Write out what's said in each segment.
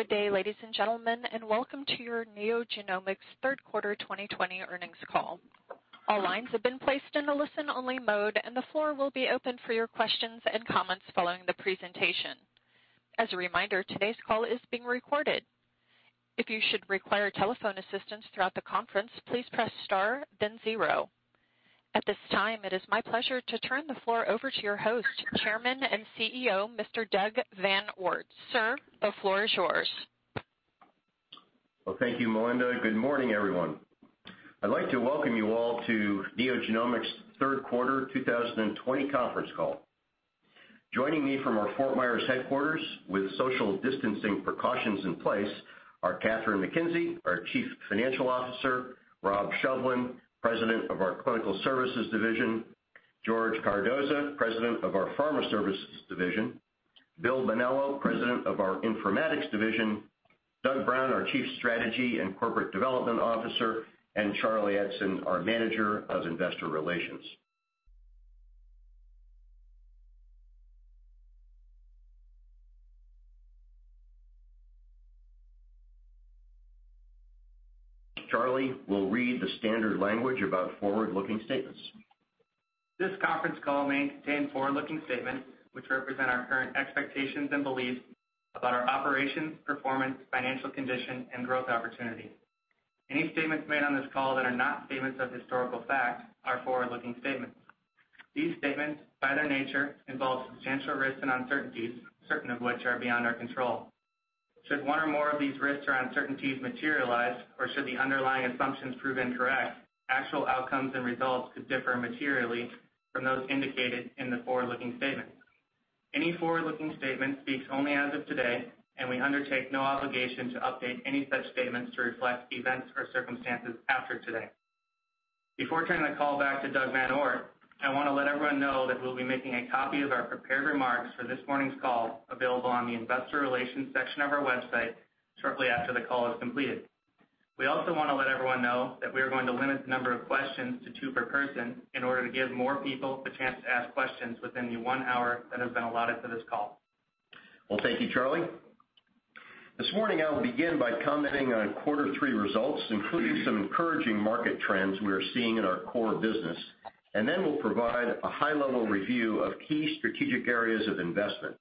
Good day, ladies and gentlemen, welcome to your NeoGenomics third quarter 2020 earnings call. All lines have been placed in a listen-only mode, and the floor will be open for your questions and comments following the presentation. As a reminder, today's call is being recorded. If you should require telephone assistance throughout the conference, please press star then zero. At this time, it is my pleasure to turn the floor over to your host, Chairman and CEO, Mr. Doug VanOort. Sir, the floor is yours. Well, thank you, Melinda. Good morning, everyone. I'd like to welcome you all to NeoGenomics' third quarter 2020 conference call. Joining me from our Fort Myers headquarters with social distancing precautions in place are Kathryn McKenzie, our Chief Financial Officer; Rob Shovlin, President of our Clinical Services Division; George Cardoza, President of our Pharma Services Division; Bill Bonello, President of our Informatics Division; Doug Brown, our Chief Strategy and Corporate Development Officer; and Charlie Eidson, our Manager of Investor Relations. Charlie will read the standard language about forward-looking statements. This conference call may contain forward-looking statements, which represent our current expectations and beliefs about our operations, performance, financial condition, and growth opportunities. Any statements made on this call that are not statements of historical fact are forward-looking statements. These statements, by their nature, involve substantial risks and uncertainties, certain of which are beyond our control. Should one or more of these risks or uncertainties materialize, or should the underlying assumptions prove incorrect, actual outcomes and results could differ materially from those indicated in the forward-looking statements. Any forward-looking statement speaks only as of today, and we undertake no obligation to update any such statements to reflect events or circumstances after today. Before turning the call back to Doug VanOort, I want to let everyone know that we'll be making a copy of our prepared remarks for this morning's call available on the investor relations section of our website shortly after the call is completed. We also want to let everyone know that we are going to limit the number of questions to two per person in order to give more people the chance to ask questions within the one hour that has been allotted for this call. Thank you, Charlie. This morning, I will begin by commenting on quarter three results, including some encouraging market trends we are seeing in our core business, and we'll provide a high-level review of key strategic areas of investment.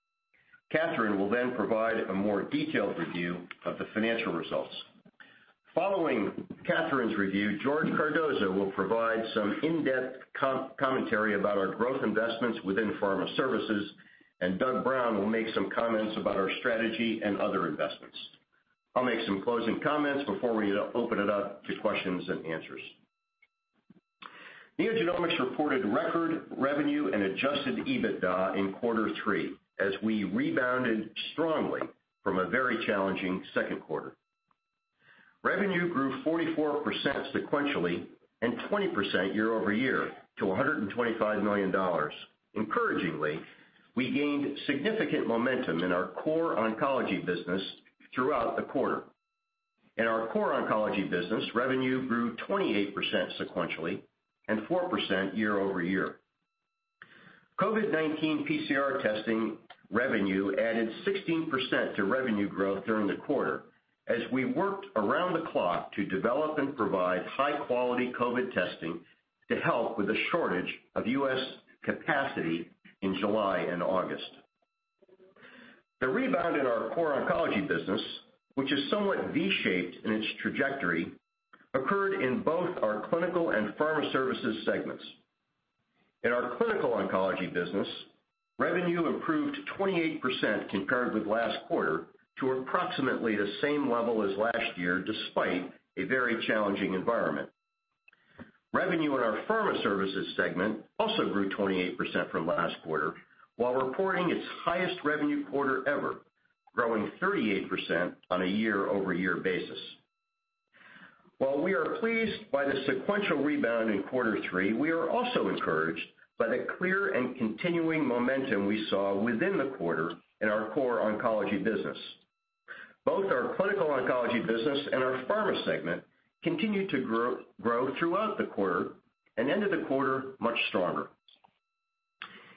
Kathryn will provide a more detailed review of the financial results. Following Kathryn's review, George Cardoza will provide some in-depth commentary about our growth investments within Pharma Services, and Doug Brown will make some comments about our strategy and other investments. I'll make some closing comments before we open it up to questions and answers. NeoGenomics reported record revenue and adjusted EBITDA in quarter three, as we rebounded strongly from a very challenging second quarter. Revenue grew 44% sequentially and 20% year-over-year to $125 million. Encouragingly, we gained significant momentum in our core oncology business throughout the quarter. In our core oncology business, revenue grew 28% sequentially and 4% year-over-year. COVID-19 PCR testing revenue added 16% to revenue growth during the quarter as we worked around the clock to develop and provide high-quality COVID testing to help with the shortage of U.S. capacity in July and August. The rebound in our core oncology business, which is somewhat V-shaped in its trajectory, occurred in both our Clinical and Pharma Services segments. In our clinical oncology business, revenue improved 28% compared with last quarter to approximately the same level as last year, despite a very challenging environment. Revenue in our Pharma Services segment also grew 28% from last quarter, while reporting its highest revenue quarter ever, growing 38% on a year-over-year basis. While we are pleased by the sequential rebound in quarter three, we are also encouraged by the clear and continuing momentum we saw within the quarter in our core oncology business. Both our clinical oncology business and our pharma segment continued to grow throughout the quarter and ended the quarter much stronger.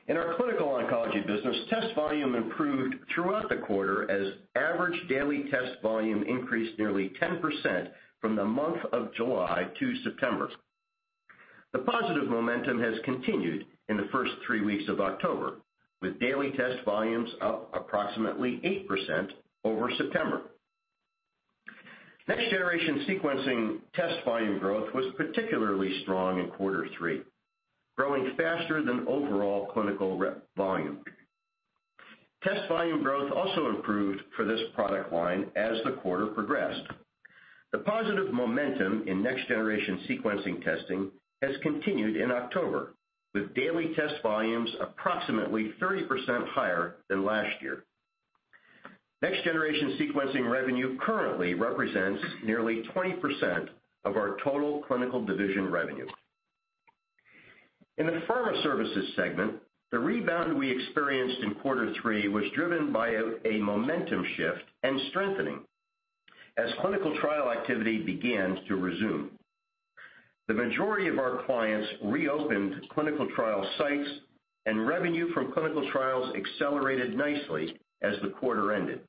In our clinical oncology business, test volume improved throughout the quarter as average daily test volume increased nearly 10% from the month of July to September. The positive momentum has continued in the first three weeks of October, with daily test volumes up approximately 8% over September. next-generation sequencing test volume growth was particularly strong in quarter three, growing faster than overall clinical volume. Test volume growth also improved for this product line as the quarter progressed. The positive momentum in next-generation sequencing testing has continued in October, with daily test volumes approximately 30% higher than last year. Next-generation sequencing revenue currently represents nearly 20% of our total Clinical division revenue. In the Pharma Services segment, the rebound we experienced in quarter three was driven by a momentum shift and strengthening as clinical trial activity began to resume. The majority of our clients reopened clinical trial sites, and revenue from clinical trials accelerated nicely as the quarter ended.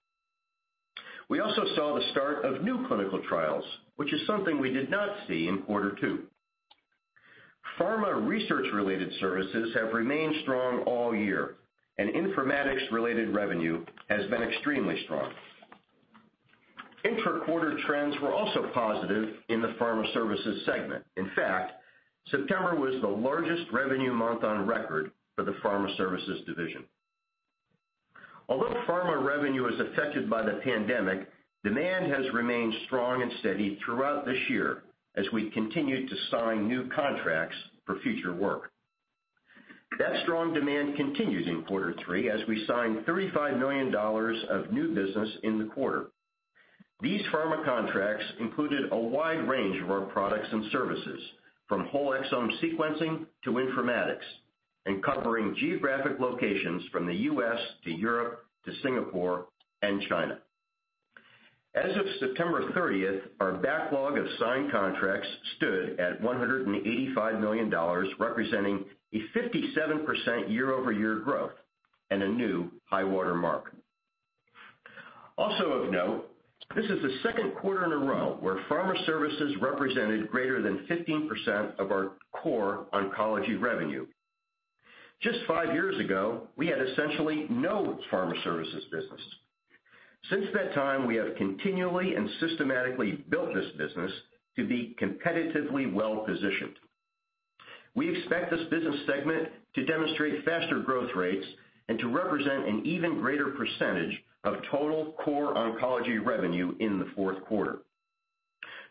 We also saw the start of new clinical trials, which is something we did not see in quarter two. Pharma research-related services have remained strong all year, and informatics-related revenue has been extremely strong. Intra-quarter trends were also positive in the Pharma Services segment. In fact, September was the largest revenue month on record for the Pharma Services division. Although pharma revenue is affected by the pandemic, demand has remained strong and steady throughout this year as we continued to sign new contracts for future work. That strong demand continues in quarter three, as we signed $35 million of new business in the quarter. These pharma contracts included a wide range of our products and services, from whole exome sequencing to informatics, and covering geographic locations from the U.S. to Europe to Singapore and China. As of September 30th, our backlog of signed contracts stood at $185 million, representing a 57% year-over-year growth and a new high water mark. Also of note, this is the second quarter in a row where Pharma Services represented greater than 15% of our core oncology revenue. Just five years ago, we had essentially no Pharma Services business. Since that time, we have continually and systematically built this business to be competitively well-positioned. We expect this business segment to demonstrate faster growth rates and to represent an even greater percentage of total core oncology revenue in the fourth quarter.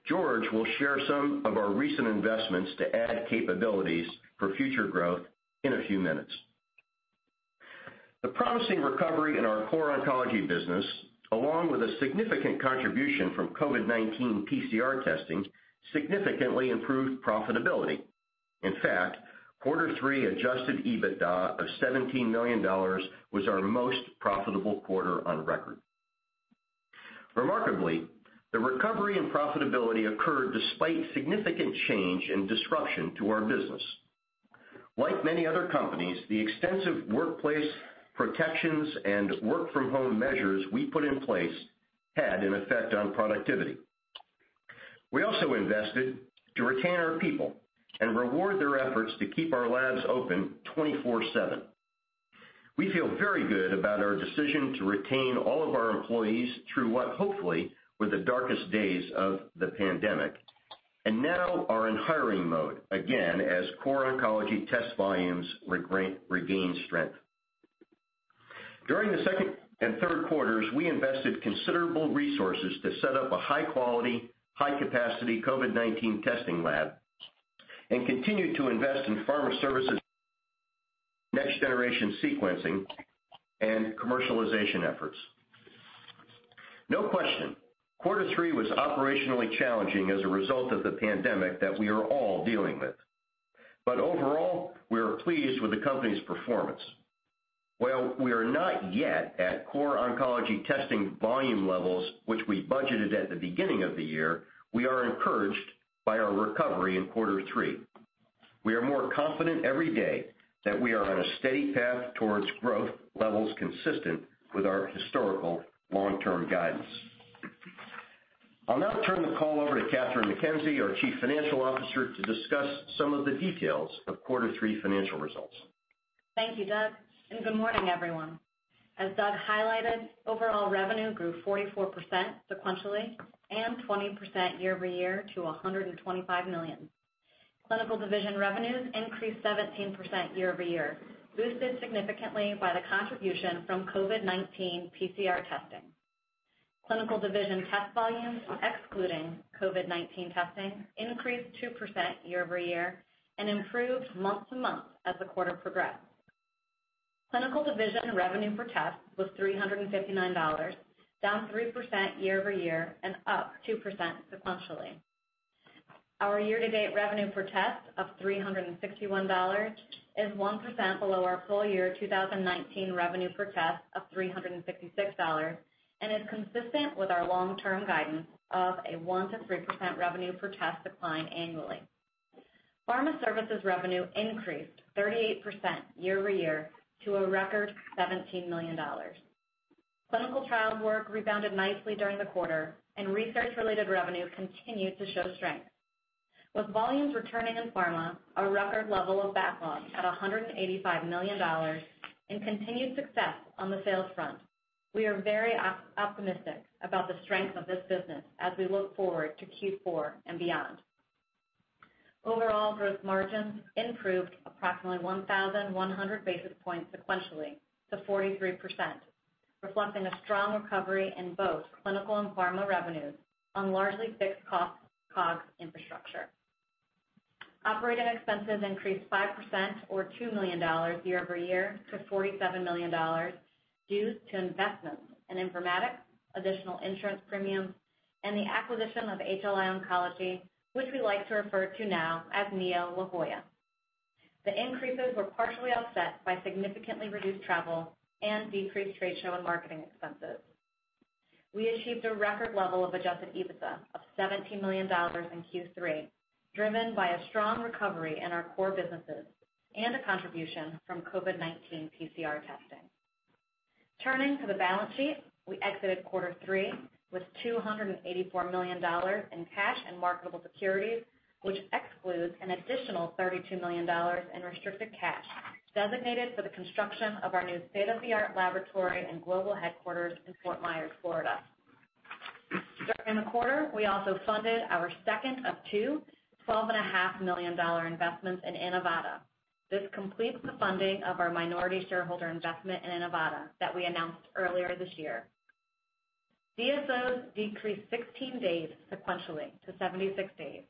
George will share some of our recent investments to add capabilities for future growth in a few minutes. The promising recovery in our core oncology business, along with a significant contribution from COVID-19 PCR testing, significantly improved profitability. In fact, quarter three adjusted EBITDA of $17 million was our most profitable quarter on record. Remarkably, the recovery in profitability occurred despite significant change and disruption to our business. Like many other companies, the extensive workplace protections and work-from-home measures we put in place had an effect on productivity. We also invested to retain our people and reward their efforts to keep our labs open 24/7. We feel very good about our decision to retain all of our employees through what hopefully were the darkest days of the pandemic, and now are in hiring mode again as core oncology test volumes regain strength. During the second and third quarters, we invested considerable resources to set up a high-quality, high-capacity COVID-19 testing lab and continued to invest in Pharma Services next-generation sequencing and commercialization efforts. No question, quarter three was operationally challenging as a result of the pandemic that we are all dealing with. Overall, we are pleased with the company's performance. While we are not yet at core oncology testing volume levels, which we budgeted at the beginning of the year, we are encouraged by our recovery in quarter three. We are more confident every day that we are on a steady path towards growth levels consistent with our historical long-term guidance. I'll now turn the call over to Kathryn McKenzie, our Chief Financial Officer, to discuss some of the details of quarter three financial results. Thank you, Doug, and good morning, everyone. As Doug highlighted, overall revenue grew 44% sequentially and 20% year-over-year to $125 million. Clinical division revenues increased 17% year-over-year, boosted significantly by the contribution from COVID-19 PCR testing. Clinical division test volumes, excluding COVID-19 testing, increased 2% year-over-year and improved month-to-month as the quarter progressed. Clinical division revenue per test was $359, down 3% year-over-year and up 2% sequentially. Our year-to-date revenue per test of $361 is 1% below our full year 2019 revenue per test of $366 and is consistent with our long-term guidance of a 1%-3% revenue per test decline annually. Pharma Services revenue increased 38% year-over-year to a record $17 million. Clinical trial work rebounded nicely during the quarter, and research-related revenue continued to show strength. With volumes returning in pharma, a record level of backlog at $185 million, and continued success on the sales front, we are very optimistic about the strength of this business as we look forward to Q4 and beyond. Overall gross margins improved approximately 1,100 basis points sequentially to 43%, reflecting a strong recovery in both clinical and pharma revenues on largely fixed cost COGS infrastructure. Operating expenses increased 5% or $2 million year-over-year to $47 million due to investments in Informatics, additional insurance premiums, and the acquisition of HLI Oncology, which we like to refer to now as Neo La Jolla. The increases were partially offset by significantly reduced travel and decreased trade show and marketing expenses. We achieved a record level of adjusted EBITDA of $17 million in Q3, driven by a strong recovery in our core businesses and a contribution from COVID-19 PCR testing. Turning to the balance sheet, we exited quarter three with $284 million in cash and marketable securities, which excludes an additional $32 million in restricted cash designated for the construction of our new state-of-the-art laboratory and global headquarters in Fort Myers, Florida. During the quarter, we also funded our second of two $12.5 million investments in Inivata. This completes the funding of our minority shareholder investment in Inivata that we announced earlier this year. DSOs decreased 16 days sequentially to 76 days.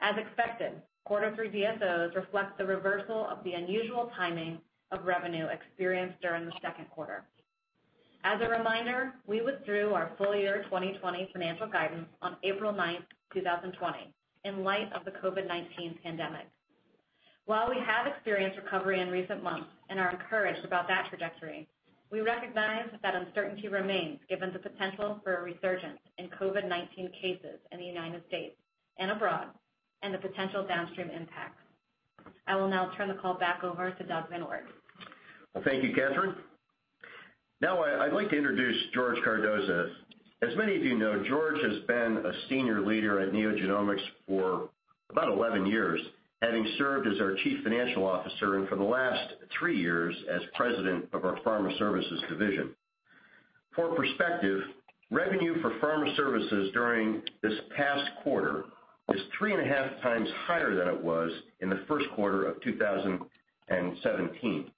As expected, quarter three DSOs reflect the reversal of the unusual timing of revenue experienced during the second quarter. As a reminder, we withdrew our full year 2020 financial guidance on April 9th, 2020, in light of the COVID-19 pandemic. While we have experienced recovery in recent months and are encouraged about that trajectory, we recognize that uncertainty remains given the potential for a resurgence in COVID-19 cases in the U.S. and abroad, and the potential downstream impacts. I will now turn the call back over to Doug VanOort. Well, thank you, Kathryn. Now, I'd like to introduce George Cardoza. As many of you know, George has been a senior leader at NeoGenomics for about 11 years, having served as our Chief Financial Officer, and for the last three years as President of our Pharma Services division. For perspective, revenue for Pharma Services during this past quarter is 3.5x higher than it was in the first quarter of 2017,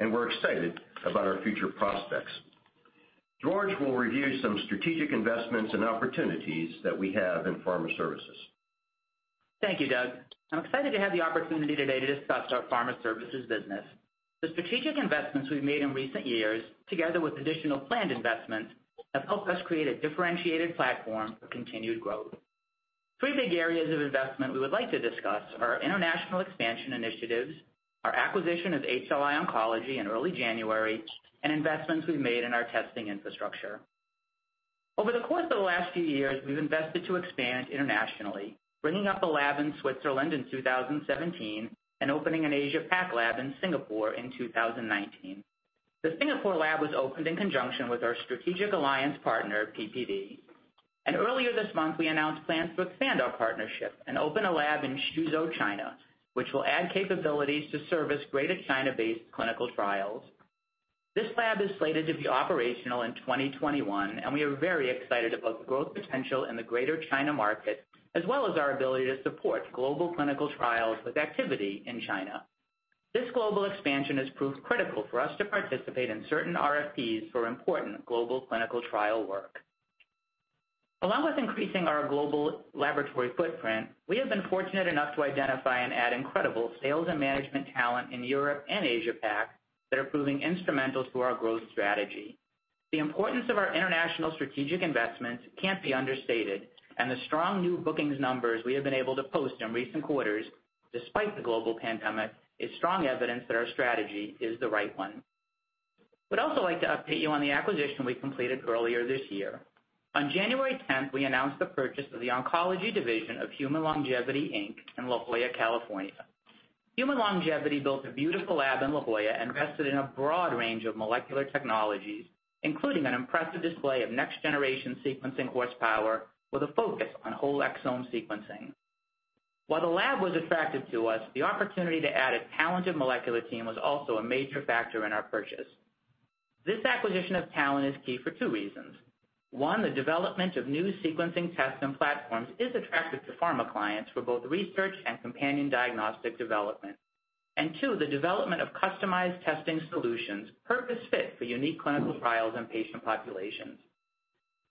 and we're excited about our future prospects. George will review some strategic investments and opportunities that we have in Pharma Services. Thank you, Doug. I'm excited to have the opportunity today to discuss our Pharma Services business. The strategic investments we've made in recent years, together with additional planned investments, have helped us create a differentiated platform for continued growth. Three big areas of investment we would like to discuss are our international expansion initiatives, our acquisition of HLI Oncology in early January, and investments we've made in our testing infrastructure. Over the course of the last few years, we've invested to expand internationally, bringing up a lab in Switzerland in 2017, and opening an Asia Pac lab in Singapore in 2019. The Singapore lab was opened in conjunction with our strategic alliance partner, PPD. Earlier this month, we announced plans to expand our partnership and open a lab in Suzhou, China, which will add capabilities to service Greater China-based clinical trials. This lab is slated to be operational in 2021, and we are very excited about the growth potential in the Greater China market, as well as our ability to support global clinical trials with activity in China. This global expansion has proved critical for us to participate in certain RFPs for important global clinical trial work. Along with increasing our global laboratory footprint, we have been fortunate enough to identify and add incredible sales and management talent in Europe and Asia Pac that are proving instrumental to our growth strategy. The importance of our international strategic investments can't be understated, and the strong new bookings numbers we have been able to post in recent quarters, despite the global pandemic, is strong evidence that our strategy is the right one. We would also like to update you on the acquisition we completed earlier this year. On January 10th, we announced the purchase of the oncology division of Human Longevity, Inc. in La Jolla, California. Human Longevity built a beautiful lab in La Jolla invested in a broad range of molecular technologies, including an impressive display of next-generation sequencing horsepower with a focus on whole exome sequencing. While the lab was attractive to us, the opportunity to add a talented molecular team was also a major factor in our purchase. This acquisition of talent is key for two reasons. One, the development of new sequencing tests and platforms is attractive to pharma clients for both research and companion diagnostic development. Two, the development of customized testing solutions purpose-fit for unique clinical trials and patient populations.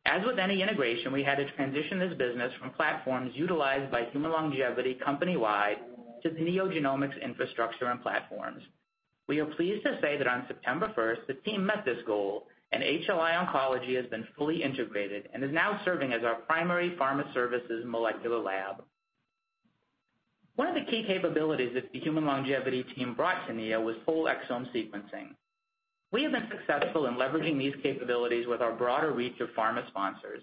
As with any integration, we had to transition this business from platforms utilized by Human Longevity company-wide to the NeoGenomics infrastructure and platforms. We are pleased to say that on September 1st, the team met this goal, and HLI Oncology has been fully integrated and is now serving as our primary Pharma Services molecular lab. One of the key capabilities that the Human Longevity team brought to Neo was whole exome sequencing. We have been successful in leveraging these capabilities with our broader reach of pharma sponsors.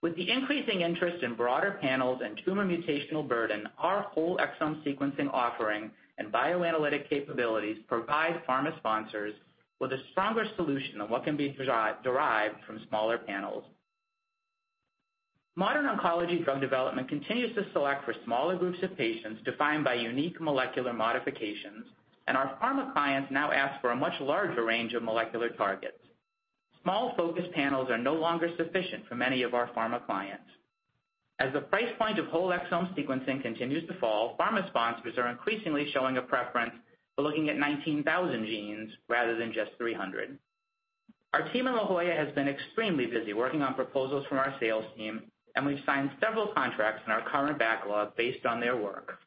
With the increasing interest in broader panels and tumor mutational burden, our whole exome sequencing offering and bioanalytic capabilities provide pharma sponsors with a stronger solution of what can be derived from smaller panels. Modern oncology drug development continues to select for smaller groups of patients defined by unique molecular modifications, and our pharma clients now ask for a much larger range of molecular targets. Small focus panels are no longer sufficient for many of our pharma clients. As the price point of whole exome sequencing continues to fall, pharma sponsors are increasingly showing a preference for looking at 19,000 genes rather than just 300. Our team in La Jolla has been extremely busy working on proposals from our sales team, and we've signed several contracts in our current backlog based on their work.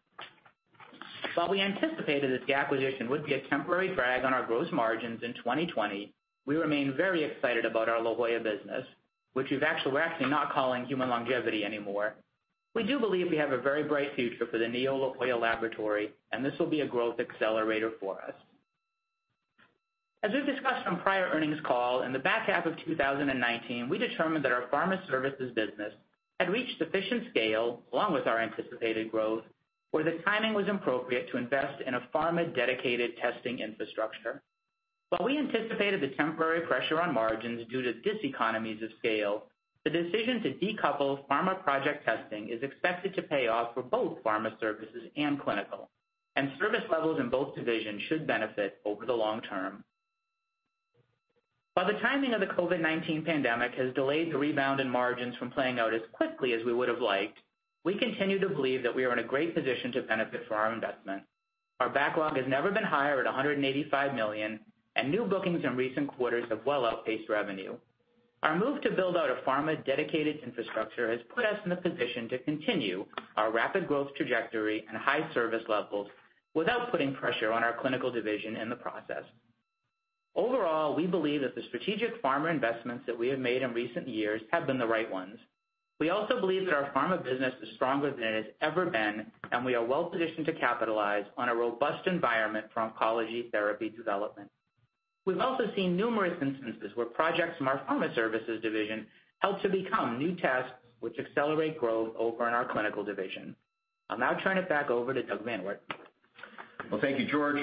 While we anticipated that the acquisition would be a temporary drag on our gross margins in 2020, we remain very excited about our La Jolla business, which we're actually not calling Human Longevity anymore. We do believe we have a very bright future for the Neo La Jolla laboratory, and this will be a growth accelerator for us. As we've discussed on prior earnings call, in the back half of 2019, we determined that our Pharma Services business had reached sufficient scale, along with our anticipated growth, where the timing was appropriate to invest in a pharma-dedicated testing infrastructure. While we anticipated the temporary pressure on margins due to diseconomies of scale, the decision to decouple pharma project testing is expected to pay off for both Pharma Services and Clinical. Service levels in both divisions should benefit over the long term. While the timing of the COVID-19 pandemic has delayed the rebound in margins from playing out as quickly as we would've liked, we continue to believe that we are in a great position to benefit from our investment. Our backlog has never been higher at $185 million, and new bookings in recent quarters have well outpaced revenue. Our move to build out a pharma-dedicated infrastructure has put us in the position to continue our rapid growth trajectory and high service levels without putting pressure on our Clinical division in the process. Overall, we believe that the strategic pharma investments that we have made in recent years have been the right ones. We also believe that our pharma business is stronger than it has ever been, and we are well-positioned to capitalize on a robust environment for oncology therapy development. We've also seen numerous instances where projects from our Pharma Services division help to become new tests which accelerate growth over in our Clinical division. I'll now turn it back over to Doug VanOort. Well, thank you, George.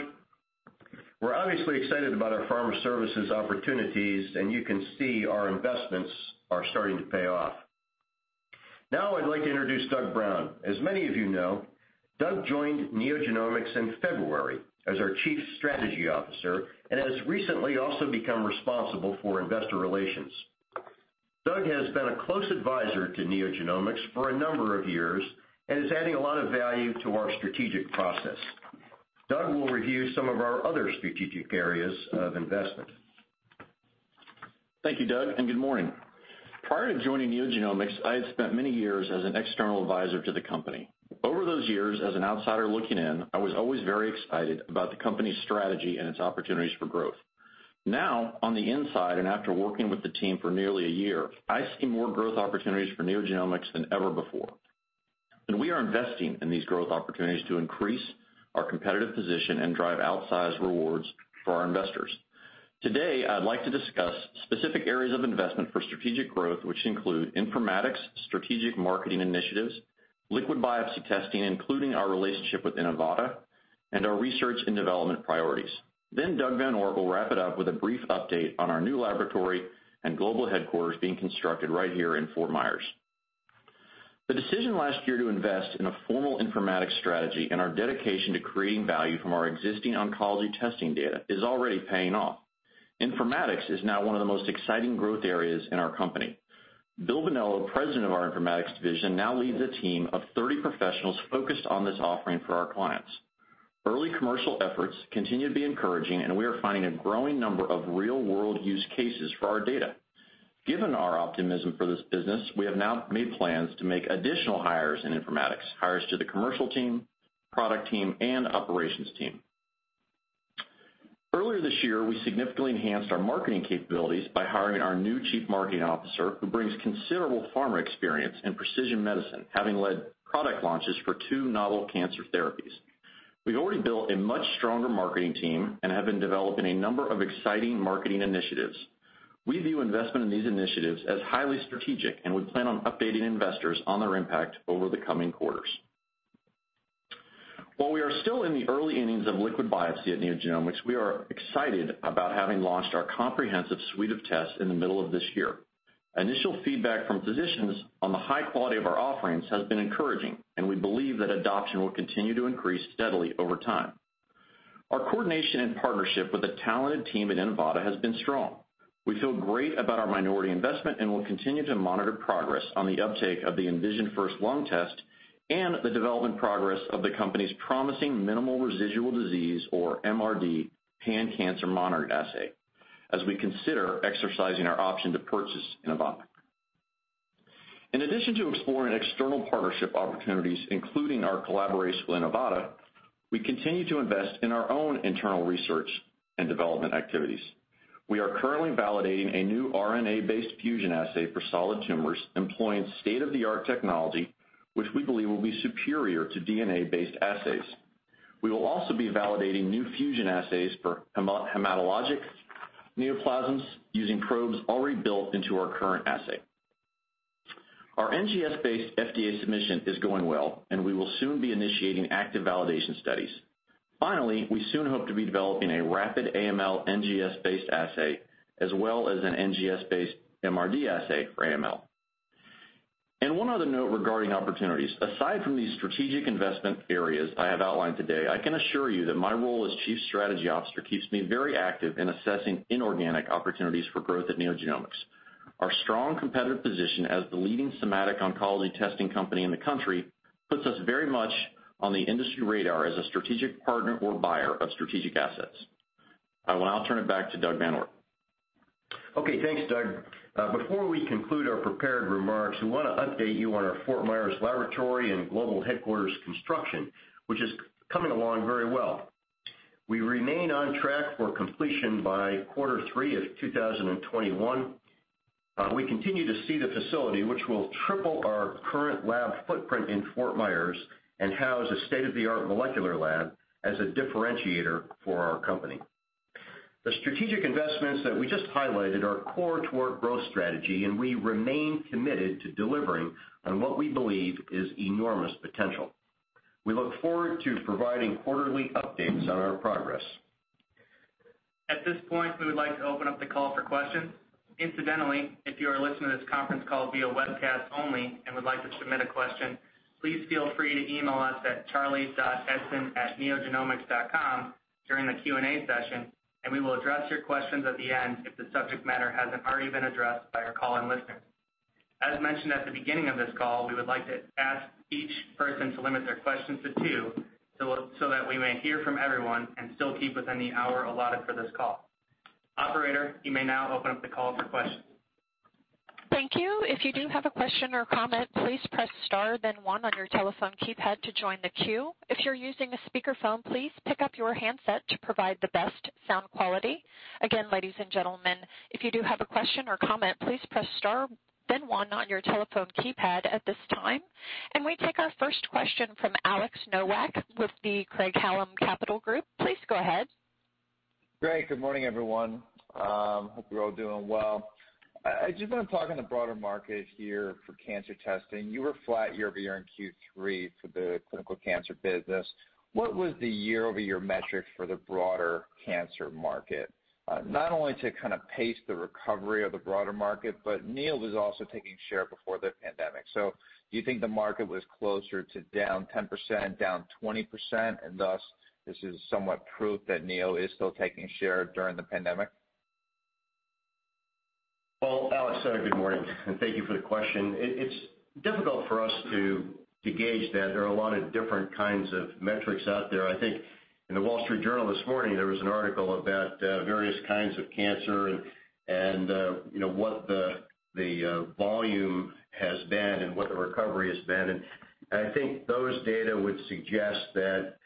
We're obviously excited about our Pharma Services opportunities, and you can see our investments are starting to pay off. Now I'd like to introduce Doug Brown. As many of you know, Doug joined NeoGenomics in February as our Chief Strategy Officer and has recently also become responsible for investor relations. Doug has been a close advisor to NeoGenomics for a number of years and is adding a lot of value to our strategic process. Doug will review some of our other strategic areas of investment. Thank you, Doug. Good morning. Prior to joining NeoGenomics, I had spent many years as an external advisor to the company. Over those years, as an outsider looking in, I was always very excited about the company's strategy and its opportunities for growth. Now, on the inside, and after working with the team for nearly a year, I see more growth opportunities for NeoGenomics than ever before. We are investing in these growth opportunities to increase our competitive position and drive outsized rewards for our investors. Today, I'd like to discuss specific areas of investment for strategic growth, which include Informatics, strategic marketing initiatives, liquid biopsy testing, including our relationship with Inivata, and our research and development priorities. Doug VanOort will wrap it up with a brief update on our new laboratory and global headquarters being constructed right here in Fort Myers. The decision last year to invest in a formal informatics strategy and our dedication to creating value from our existing oncology testing data is already paying off. Informatics is now one of the most exciting growth areas in our company. Bill Bonello, President of our Informatics Division, now leads a team of 30 professionals focused on this offering for our clients. Early commercial efforts continue to be encouraging, and we are finding a growing number of real-world use cases for our data. Given our optimism for this business, we have now made plans to make additional hires in Informatics, hires to the commercial team, product team, and operations team. Earlier this year, we significantly enhanced our marketing capabilities by hiring our new chief marketing officer, who brings considerable pharma experience in precision medicine, having led product launches for two novel cancer therapies. We've already built a much stronger marketing team and have been developing a number of exciting marketing initiatives. We view investment in these initiatives as highly strategic, and we plan on updating investors on their impact over the coming quarters. While we are still in the early innings of liquid biopsy at NeoGenomics, we are excited about having launched our comprehensive suite of tests in the middle of this year. Initial feedback from physicians on the high quality of our offerings has been encouraging, and we believe that adoption will continue to increase steadily over time. Our coordination and partnership with the talented team at Inivata has been strong. We feel great about our minority investment and will continue to monitor progress on the uptake of the InVisionFirst-Lung test and the development progress of the company's promising minimal residual disease, or MRD, pan-cancer monitoring assay as we consider exercising our option to purchase Inivata. In addition to exploring external partnership opportunities, including our collaboration with Inivata, we continue to invest in our own internal research and development activities. We are currently validating a new RNA-based fusion assay for solid tumors employing state-of-the-art technology, which we believe will be superior to DNA-based assays. We will also be validating new fusion assays for hematologic neoplasms using probes already built into our current assay. Our NGS-based FDA submission is going well, and we will soon be initiating active validation studies. Finally, we soon hope to be developing a rapid AML NGS-based assay, as well as an NGS-based MRD assay for AML. One other note regarding opportunities. Aside from these strategic investment areas I have outlined today, I can assure you that my role as Chief Strategy Officer keeps me very active in assessing inorganic opportunities for growth at NeoGenomics. Our strong competitive position as the leading somatic oncology testing company in the country puts us very much on the industry radar as a strategic partner or buyer of strategic assets. I will now turn it back to Doug VanOort. Okay. Thanks, Doug. Before we conclude our prepared remarks, we want to update you on our Fort Myers laboratory and global headquarters construction, which is coming along very well. We remain on track for completion by quarter three of 2021. We continue to see the facility, which will triple our current lab footprint in Fort Myers and house a state-of-the-art molecular lab as a differentiator for our company. The strategic investments that we just highlighted are core to our growth strategy. We remain committed to delivering on what we believe is enormous potential. We look forward to providing quarterly updates on our progress. At this point, we would like to open up the call for questions. Incidentally, if you are listening to this conference call via webcast only and would like to submit a question, please feel free to email us at charlie.edson@neogenomics.com during the Q&A session, and we will address your questions at the end if the subject matter hasn't already been addressed by our call-in listeners. As mentioned at the beginning of this call, we would like to ask each person to limit their questions to two, so that we may hear from everyone and still keep within the hour allotted for this call. Operator, you may now open up the call for questions. Thank you. If you do have a question or comment, please press star then one on your telephone keypad to join the queue. If you're using a speakerphone, please pick up your handset to provide the best sound quality. Again, ladies and gentlemen, if you do have a question or comment, please press star then one on your telephone keypad at this time. We take our first question from Alex Nowak with the Craig-Hallum Capital Group. Please go ahead. Great. Good morning, everyone. Hope you're all doing well. I just want to talk on the broader market here for cancer testing. You were flat year-over-year in Q3 for the clinical cancer business. What was the year-over-year metric for the broader cancer market? Not only to kind of pace the recovery of the broader market, but Neo was also taking share before the pandemic. Do you think the market was closer to down 10%, down 20%, and thus this is somewhat proof that Neo is still taking share during the pandemic? Well, Alex, good morning, and thank you for the question. It's difficult for us to gauge that. There are a lot of different kinds of metrics out there. I think in the Wall Street Journal this morning, there was an article about various kinds of cancer and what the volume has been and what the recovery has been, and I think those data would suggest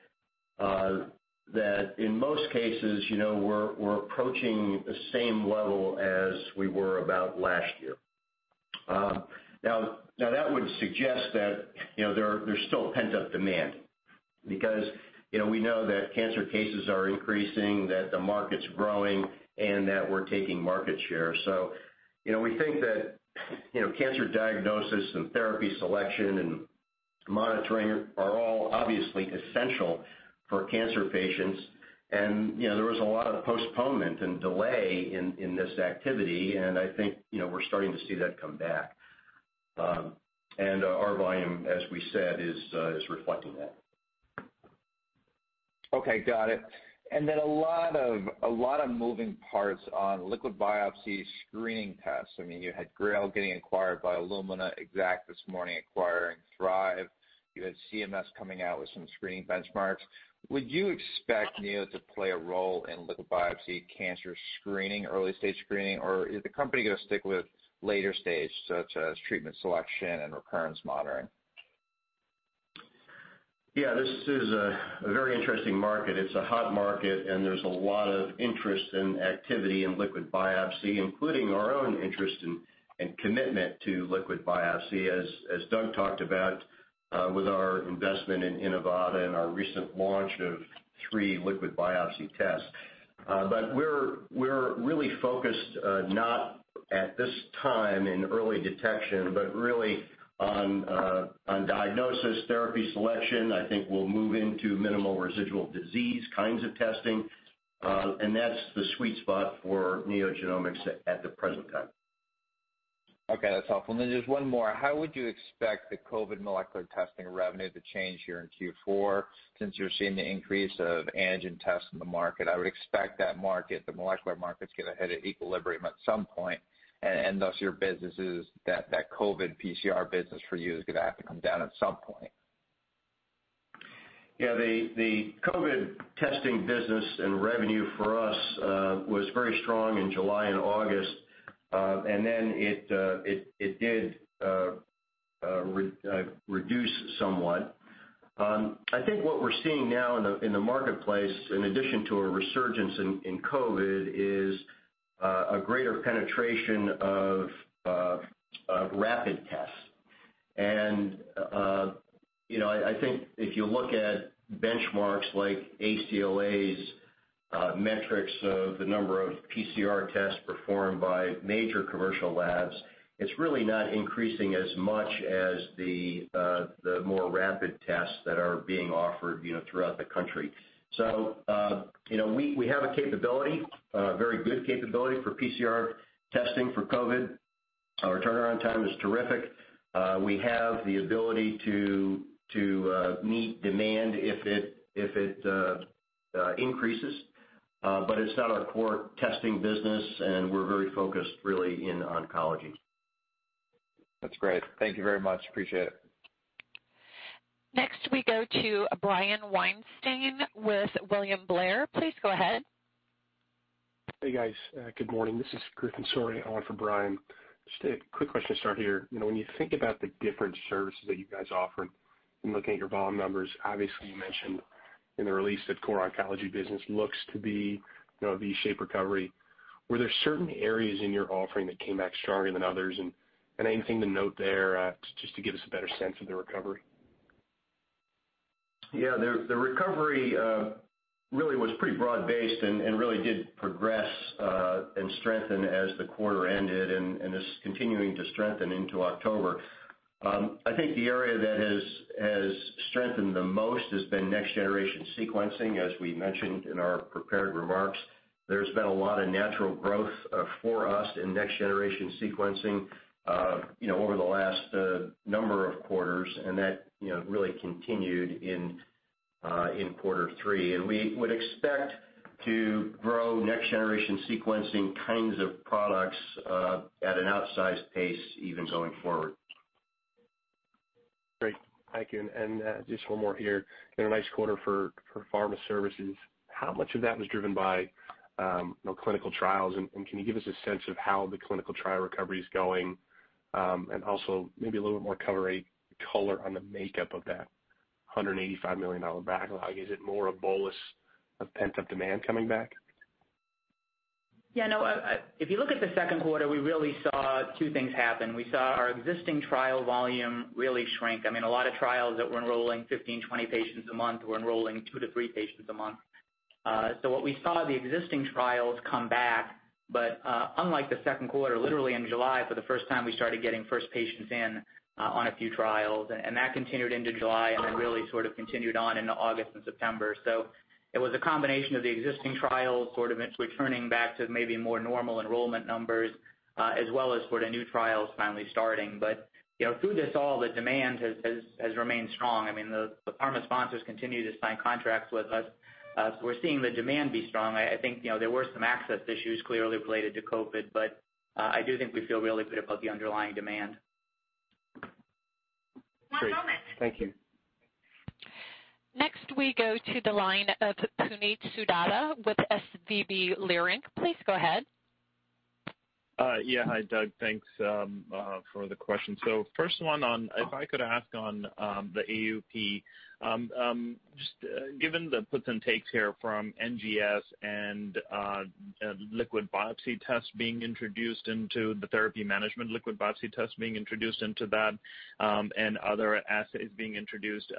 that in most cases, we're approaching the same level as we were about last year. Now, that would suggest that there's still pent-up demand because we know that cancer cases are increasing, that the market's growing, and that we're taking market share. We think that cancer diagnosis and therapy selection and monitoring are all obviously essential for cancer patients, and there was a lot of postponement and delay in this activity, and I think we're starting to see that come back. Our volume, as we said, is reflecting that. Okay, got it. A lot of moving parts on liquid biopsy screening tests. You had GRAIL getting acquired by Illumina, Exact this morning acquiring Thrive. You had CMS coming out with some screening benchmarks. Would you expect Neo to play a role in liquid biopsy cancer screening, early-stage screening, or is the company going to stick with later stage, such as treatment selection and recurrence monitoring? Yeah, this is a very interesting market. It's a hot market. There's a lot of interest and activity in liquid biopsy, including our own interest and commitment to liquid biopsy, as Doug talked about, with our investment in Inivata and our recent launch of three liquid biopsy tests. We're really focused, not at this time in early detection, but really on diagnosis, therapy selection. I think we'll move into minimal residual disease kinds of testing. That's the sweet spot for NeoGenomics at the present time. Okay, that's helpful. Then just one more. How would you expect the COVID molecular testing revenue to change here in Q4, since you're seeing the increase of antigen tests in the market? I would expect that market, the molecular market, to get ahead of equilibrium at some point, and thus your businesses, that COVID PCR business for you, is going to have to come down at some point. Yeah, the COVID testing business and revenue for us was very strong in July and August. It did reduce somewhat. I think what we're seeing now in the marketplace, in addition to a resurgence in COVID, is a greater penetration of rapid tests. I think if you look at benchmarks like ACLA's metrics of the number of PCR tests performed by major commercial labs, it's really not increasing as much as the more rapid tests that are being offered throughout the country. We have a capability, a very good capability for PCR testing for COVID. Our turnaround time is terrific. We have the ability to meet demand if it increases, but it's not our core testing business, and we're very focused really in oncology. That's great. Thank you very much. Appreciate it. Next, we go to Brian Weinstein with William Blair. Please go ahead. Hey, guys. Good morning. This is Griffin, on for Brian. Just a quick question to start here. When you think about the different services that you guys offer. In looking at your volume numbers, obviously you mentioned in the release that core oncology business looks to be a V-shaped recovery. Were there certain areas in your offering that came back stronger than others? Anything to note there just to give us a better sense of the recovery? Yeah. The recovery really was pretty broad-based and really did progress and strengthen as the quarter ended and is continuing to strengthen into October. I think the area that has strengthened the most has been next-generation sequencing, as we mentioned in our prepared remarks. There's been a lot of natural growth for us in next-generation sequencing, over the last number of quarters, and that really continued in quarter three. We would expect to grow next-generation sequencing kinds of products at an outsized pace, even going forward. Great. Thank you. Just one more here. In a nice quarter for Pharma Services, how much of that was driven by clinical trials? Can you give us a sense of how the clinical trial recovery is going? Also, maybe a little bit more color on the makeup of that $185 million backlog. Is it more a bolus of pent-up demand coming back? Yeah, no. If you look at the second quarter, we really saw two things happen. We saw our existing trial volume really shrink. A lot of trials that were enrolling 15, 20 patients a month were enrolling two to three patients a month. What we saw the existing trials come back, but unlike the second quarter, literally in July for the first time, we started getting first patients in on a few trials, and that continued into July and then really sort of continued on into August and September. It was a combination of the existing trials sort of returning back to maybe more normal enrollment numbers, as well as the new trials finally starting. Through this all, the demand has remained strong. The pharma sponsors continue to sign contracts with us. We're seeing the demand be strong. I think, there were some access issues clearly related to COVID, but I do think we feel really good about the underlying demand. Great. Thank you. Next, we go to the line of Puneet Souda with SVB Leerink. Please go ahead. Yeah. Hi, Doug. Thanks for the question. First one on, if I could ask on the AUP. Just given the puts and takes here from NGS and liquid biopsy tests being introduced into the therapy management liquid biopsy test being introduced into that, and other assays being introduced.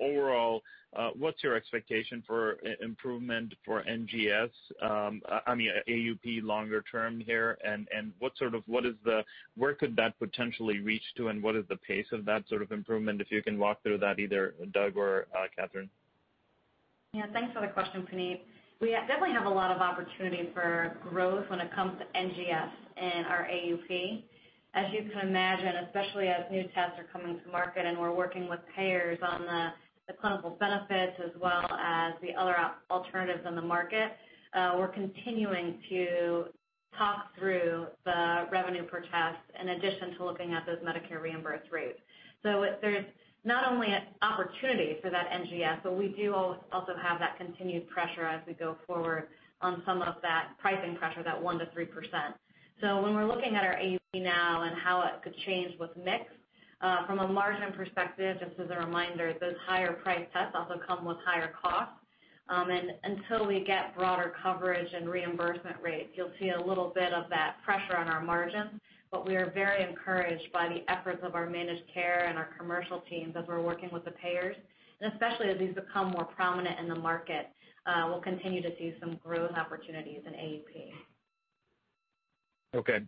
Overall, what's your expectation for improvement for NGS, I mean, AUP longer term here, and where could that potentially reach to, and what is the pace of that sort of improvement, if you can walk through that, either Doug or Kathryn? Yeah, thanks for the question, Puneet. We definitely have a lot of opportunity for growth when it comes to NGS and our AUP. As you can imagine, especially as new tests are coming to market and we're working with payers on the clinical benefits as well as the other alternatives in the market. We're continuing to talk through the revenue per test in addition to looking at those Medicare reimbursement rates. There's not only an opportunity for that NGS, but we do also have that continued pressure as we go forward on some of that pricing pressure, that 1%-3%. When we're looking at our AUP now and how it could change with mix, from a margin perspective, just as a reminder, those higher priced tests also come with higher costs. Until we get broader coverage and reimbursement rates, you'll see a little bit of that pressure on our margins, but we are very encouraged by the efforts of our managed care and our commercial teams as we're working with the payers. Especially as these become more prominent in the market, we'll continue to see some growth opportunities in AUP. Okay.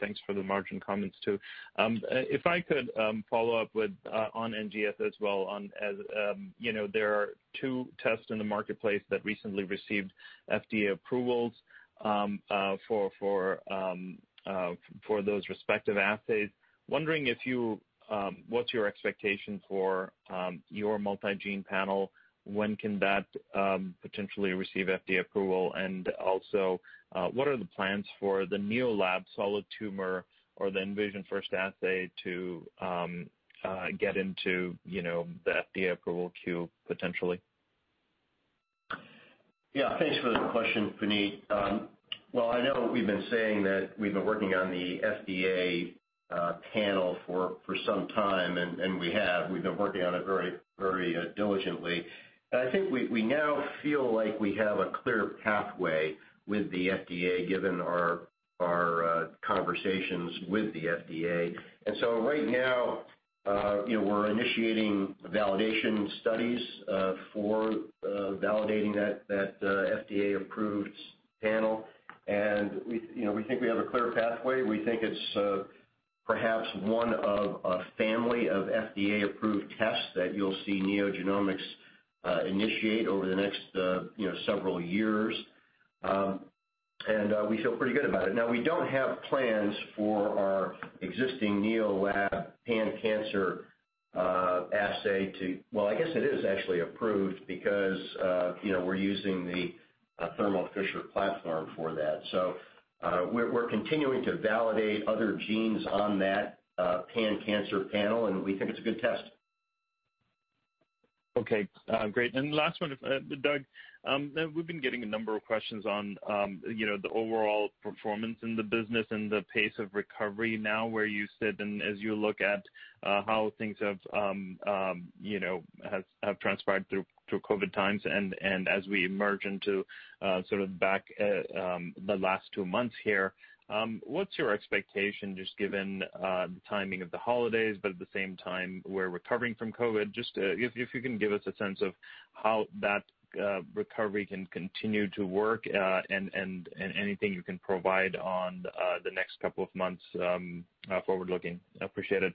Thanks for the margin comments, too. If I could follow up on NGS as well as there are two tests in the marketplace that recently received FDA approvals for those respective assays. Wondering what's your expectation for your multi-gene panel? When can that potentially receive FDA approval? Also, what are the plans for the NeoLAB Solid Tumor or the InVisionFirst assay to get into the FDA approval queue potentially? Yeah. Thanks for the question, Puneet. Well, I know we've been saying that we've been working on the FDA panel for some time, and we have. We've been working on it very diligently. I think we now feel like we have a clear pathway with the FDA, given our conversations with the FDA. Right now, we're initiating validation studies for validating that FDA-approved panel. We think we have a clear pathway. We think it's perhaps one of a family of FDA-approved tests that you'll see NeoGenomics initiate over the next several years. We feel pretty good about it. Now, we don't have plans for our existing NeoLAB pan-cancer assay. Well, I guess it is actually approved because we're using the Thermo Fisher platform for that. We're continuing to validate other genes on that pan-cancer panel. We think it's a good test. Okay, great. Last one, Doug. We've been getting a number of questions on the overall performance in the business and the pace of recovery now where you sit and as you look at how things have transpired through COVID times and as we emerge into back the last two months here. What's your expectation, just given the timing of the holidays, but at the same time, we're recovering from COVID. Just if you can give us a sense of how that recovery can continue to work, and anything you can provide on the next couple of months forward-looking. Appreciate it.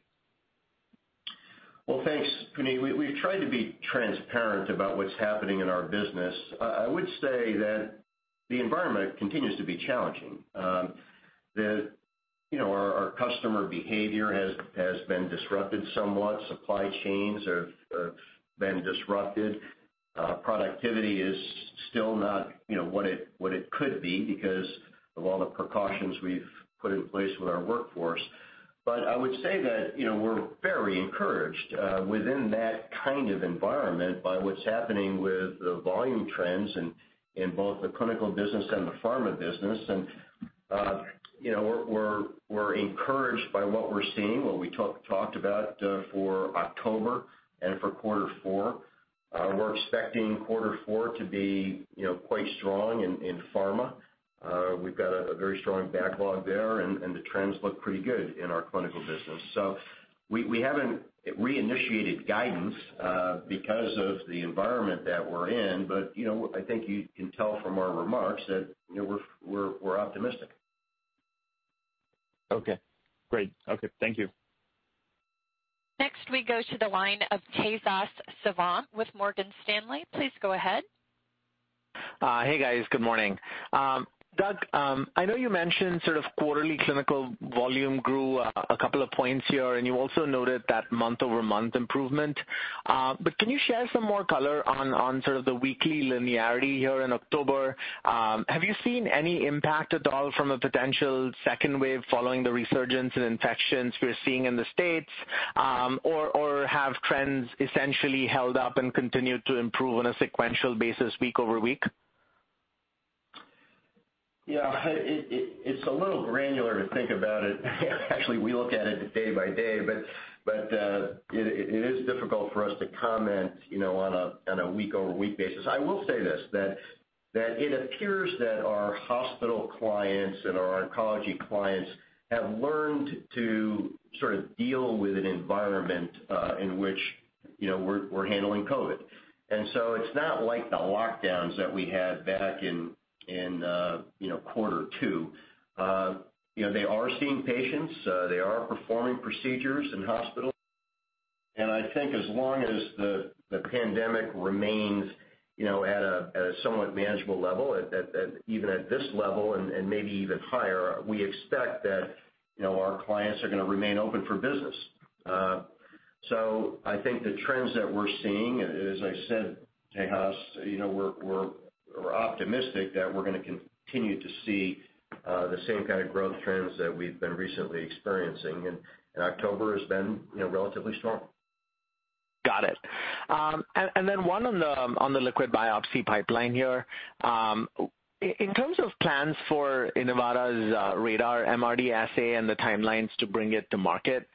Thanks, Puneet. We've tried to be transparent about what's happening in our business. I would say that the environment continues to be challenging. Our customer behavior has been disrupted somewhat. Supply chains have been disrupted. Productivity is still not what it could be because of all the precautions we've put in place with our workforce. I would say that we're very encouraged within that kind of environment by what's happening with the volume trends in both the clinical business and the pharma business. We're encouraged by what we're seeing, what we talked about for October and for quarter four. We're expecting quarter four to be quite strong in pharma. We've got a very strong backlog there, and the trends look pretty good in our clinical business. We haven't reinitiated guidance because of the environment that we're in. I think you can tell from our remarks that we're optimistic. Okay, great. Thank you. Next, we go to the line of Tejas Savant with Morgan Stanley. Please go ahead. Hey, guys. Good morning. Doug, I know you mentioned sort of quarterly clinical volume grew a couple of points here, and you also noted that month-over-month improvement. Can you share some more color on sort of the weekly linearity here in October? Have you seen any impact at all from a potential second wave following the resurgence in infections we're seeing in the U.S.? Have trends essentially held up and continued to improve on a sequential basis week-over-week? Yeah, it's a little granular to think about it. Actually, we look at it day-by-day, but it is difficult for us to comment on a week-over-week basis. I will say this, that it appears that our hospital clients and our oncology clients have learned to sort of deal with an environment in which we're handling COVID. It's not like the lockdowns that we had back in quarter two. They are seeing patients. They are performing procedures in hospitals. I think as long as the pandemic remains at a somewhat manageable level, even at this level and maybe even higher, we expect that our clients are going to remain open for business. I think the trends that we're seeing, as I said, Tejas, we're optimistic that we're going to continue to see the same kind of growth trends that we've been recently experiencing. October has been relatively strong. Got it. Then one on the liquid biopsy pipeline here. In terms of plans for Inivata's RaDaR MRD assay and the timelines to bring it to market,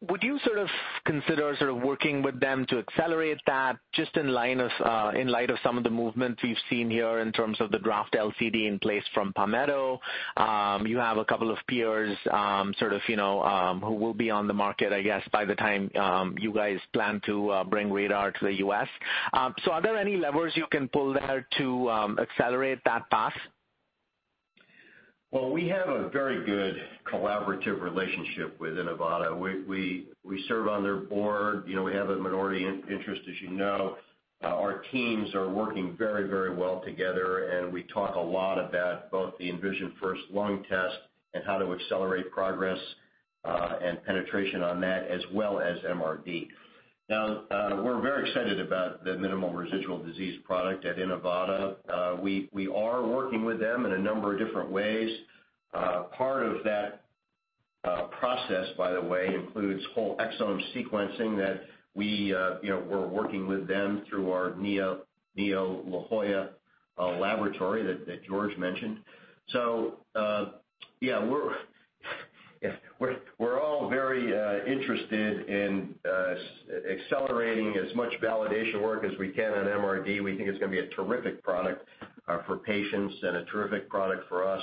would you sort of consider working with them to accelerate that, just in light of some of the movements we've seen here in terms of the draft LCD in place from Palmetto? You have a couple of peers who will be on the market, I guess, by the time you guys plan to bring RaDaR to the U.S. Are there any levers you can pull there to accelerate that path? Well, we have a very good collaborative relationship with Inivata. We serve on their board. We have a minority interest, as you know. Our teams are working very well together, and we talk a lot about both the InVisionFirst-Lung test and how to accelerate progress and penetration on that, as well as MRD. We're very excited about the minimal residual disease product at Inivata. We are working with them in a number of different ways. Part of that process, by the way, includes whole exome sequencing that we're working with them through our Neo La Jolla laboratory that George mentioned. Yeah, we're all very interested in accelerating as much validation work as we can on MRD. We think it's going to be a terrific product for patients and a terrific product for us,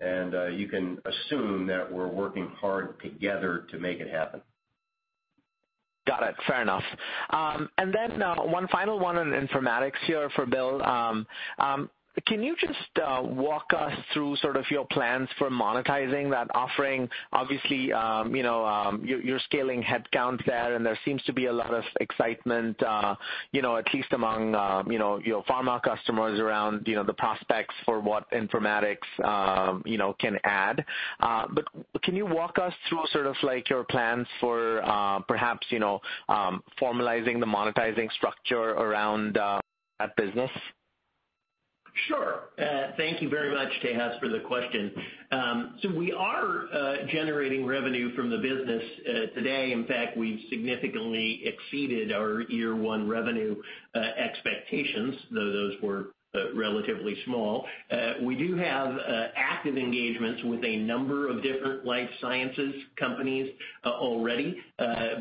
and you can assume that we're working hard together to make it happen. Got it. Fair enough. One final one on Informatics here for Bill. Can you just walk us through sort of your plans for monetizing that offering? Obviously, you're scaling headcount there, and there seems to be a lot of excitement at least among your pharma customers around the prospects for what Informatics can add. Can you walk us through sort of your plans for perhaps formalizing the monetizing structure around that business? Thank you very much, Tejas, for the question. We are generating revenue from the business today. In fact, we've significantly exceeded our year one revenue expectations, though those were relatively small. We do have active engagements with a number of different life sciences companies already,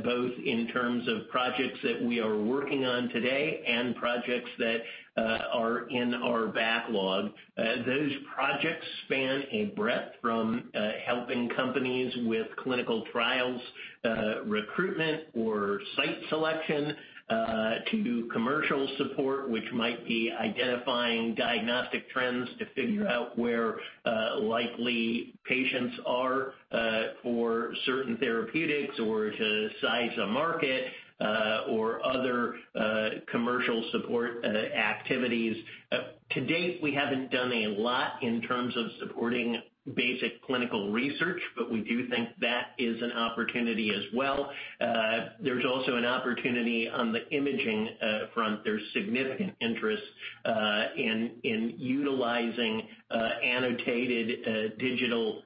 both in terms of projects that we are working on today and projects that are in our backlog. Those projects span a breadth from helping companies with clinical trials, recruitment or site selection, to commercial support, which might be identifying diagnostic trends to figure out where likely patients are for certain therapeutics or to size a market, or other commercial support activities. To date, we haven't done a lot in terms of supporting basic clinical research, we do think that is an opportunity as well. There's also an opportunity on the imaging front. There's significant interest in utilizing annotated digital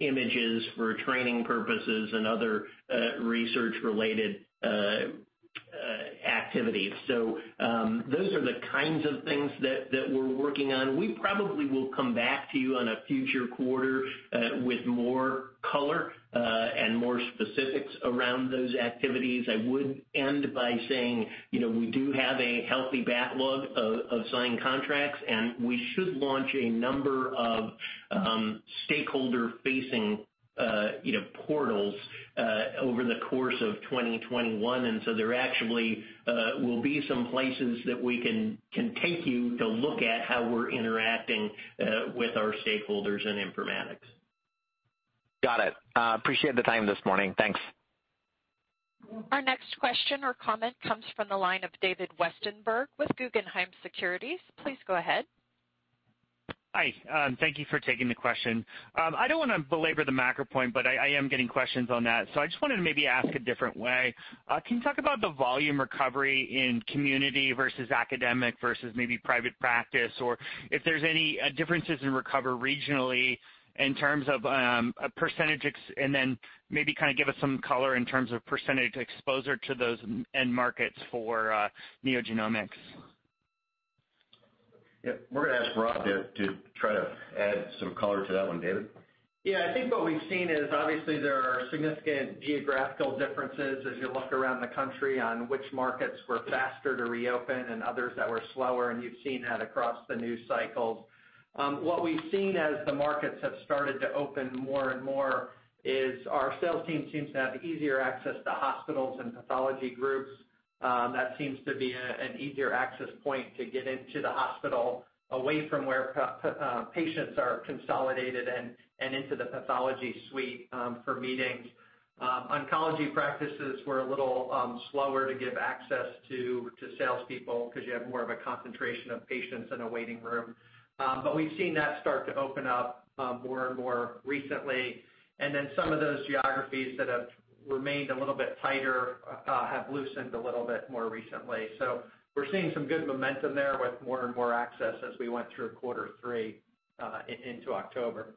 images for training purposes and other research-related activities. Those are the kinds of things that we're working on. We probably will come back to you in a future quarter with more color and more specifics around those activities. I would end by saying we do have a healthy backlog of signed contracts, and we should launch a number of stakeholder-facing portals over the course of 2021. There actually will be some places that we can take you to look at how we're interacting with our stakeholders in Informatics. Got it. Appreciate the time this morning. Thanks. Our next question or comment comes from the line of David Westenberg with Guggenheim Securities. Please go ahead. Hi. Thank you for taking the question. I don't want to belabor the macro point, but I am getting questions on that. I just wanted to maybe ask a different way. Can you talk about the volume recovery in community versus academic versus maybe private practice? If there's any differences in recovery regionally in terms of percentage, and then maybe give us some color in terms of percentage exposure to those end markets for NeoGenomics. Yeah. We're going to ask Rob to try to add some color to that one, David. Yeah. I think what we've seen is obviously there are significant geographical differences as you look around the country on which markets were faster to reopen and others that were slower, and you've seen that across the news cycles. What we've seen as the markets have started to open more and more is our sales team seems to have easier access to hospitals and pathology groups. That seems to be an easier access point to get into the hospital, away from where patients are consolidated and into the pathology suite for meetings. Oncology practices were a little slower to give access to salespeople because you have more of a concentration of patients in a waiting room. We've seen that start to open up more and more recently. Some of those geographies that have remained a little bit tighter have loosened a little bit more recently. We're seeing some good momentum there with more and more access as we went through quarter three into October.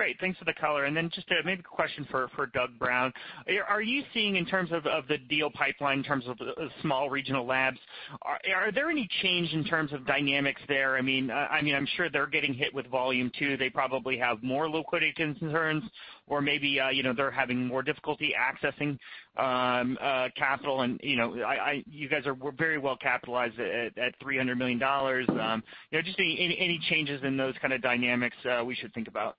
Great. Thanks for the color. Just maybe a question for Doug Brown. Are you seeing in terms of the deal pipeline, in terms of small regional labs, are there any change in terms of dynamics there? I'm sure they're getting hit with volume, too. They probably have more liquidity concerns or maybe they're having more difficulty accessing capital. You guys were very well capitalized at $300 million. Just any changes in those kind of dynamics we should think about?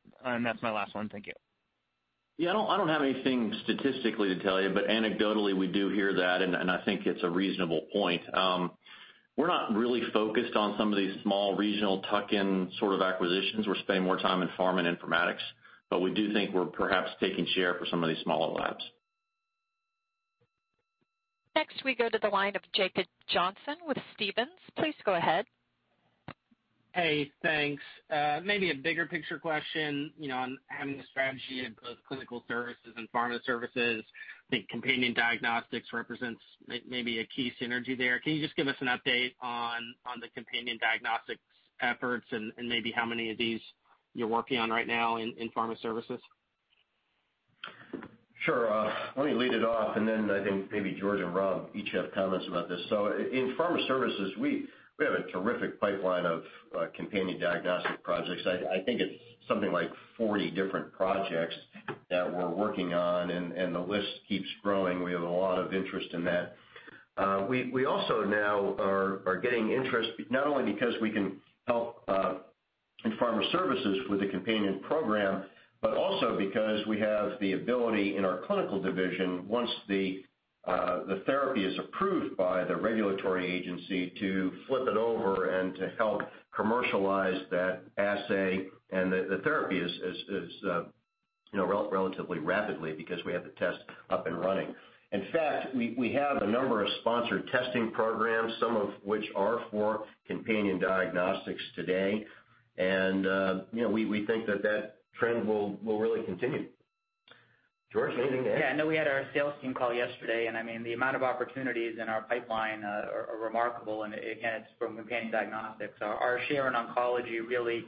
That's my last one. Thank you. Yeah, I don't have anything statistically to tell you, but anecdotally, we do hear that, and I think it's a reasonable point. We're not really focused on some of these small regional tuck-in sort of acquisitions. We're spending more time in Pharma and Informatics, but we do think we're perhaps taking share for some of these smaller labs. Next, we go to the line of Jacob Johnson with Stephens. Please go ahead. Hey, thanks. Maybe a bigger picture question on having a strategy in both Clinical Services and Pharma Services. I think companion diagnostics represents maybe a key synergy there. Can you just give us an update on the companion diagnostics efforts and maybe how many of these you're working on right now in Pharma Services? Sure. Let me lead it off, then I think maybe George and Rob each have comments about this. In Pharma Services, we have a terrific pipeline of companion diagnostics projects. I think it's something like 40 different projects that we're working on, and the list keeps growing. We have a lot of interest in that. We also now are getting interest not only because we can help in Pharma Services with a companion program, but also because we have the ability in our Clinical division, once the therapy is approved by the regulatory agency, to flip it over and to help commercialize that assay and the therapy relatively rapidly because we have the test up and running. In fact, we have a number of sponsored testing programs, some of which are for companion diagnostics today. We think that trend will really continue. George, anything to add? Yeah, no, we had our sales team call yesterday. The amount of opportunities in our pipeline are remarkable. Again, it's from companion diagnostics. Our share in oncology really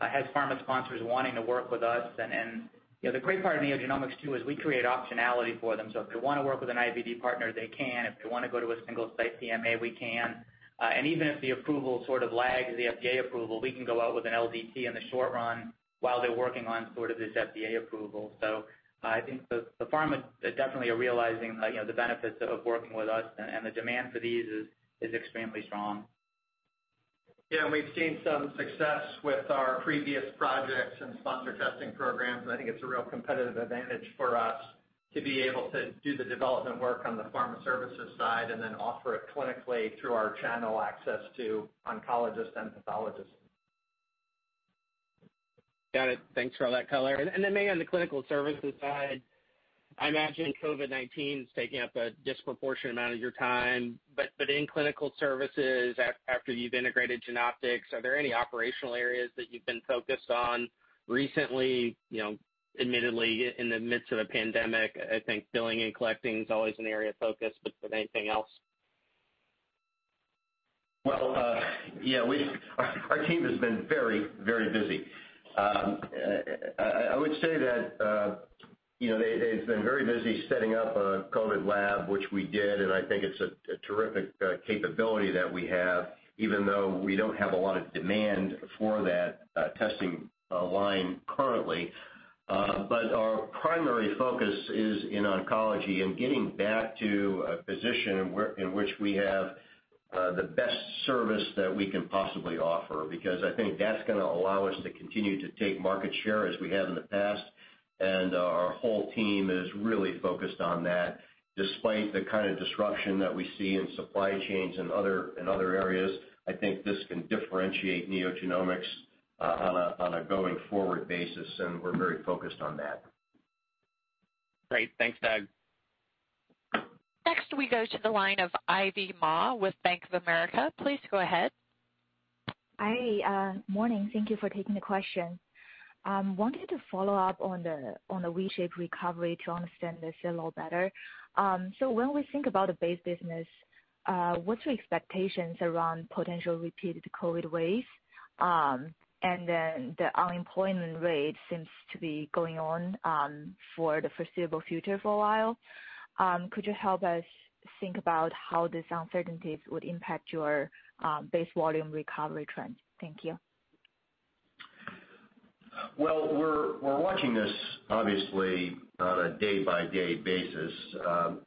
has pharma sponsors wanting to work with us. The great part of NeoGenomics too is we create optionality for them. If they want to work with an IVD partner, they can. If they want to go to a single-site PMA, we can. Even if the approval sort of lags the FDA approval, we can go out with an LDT in the short run while they're working on this FDA approval. I think the pharma definitely are realizing the benefits of working with us, and the demand for these is extremely strong. Yeah, we've seen some success with our previous projects and sponsor testing programs. I think it's a real competitive advantage for us to be able to do the development work on the Pharma Services side and then offer it clinically through our channel access to oncologists and pathologists. Got it. Thanks for all that color. Maybe on the Clinical Services side, I imagine COVID-19's taking up a disproportionate amount of your time. In Clinical Services, after you've integrated Genoptix, are there any operational areas that you've been focused on recently? Admittedly, in the midst of a pandemic, I think billing and collecting is always an area of focus, but anything else? Yeah, our team has been very busy. I would say that they've been very busy setting up a COVID lab, which we did, and I think it's a terrific capability that we have, even though we don't have a lot of demand for that testing line currently. Our primary focus is in oncology and getting back to a position in which we have the best service that we can possibly offer. I think that's going to allow us to continue to take market share as we have in the past, and our whole team is really focused on that. Despite the kind of disruption that we see in supply chains in other areas, I think this can differentiate NeoGenomics on a going-forward basis, and we're very focused on that. Great. Thanks, Doug. Next, we go to the line of Ivy Ma with Bank of America. Please go ahead. Hi. Morning. Thank you for taking the question. I wanted to follow up on the V-shaped recovery to understand this a little better. When we think about the base business, what's your expectations around potential repeated COVID waves? Then the unemployment rate seems to be going on for the foreseeable future for a while. Could you help us think about how these uncertainties would impact your base volume recovery trend? Thank you. Well, we're watching this obviously on a day-by-day basis.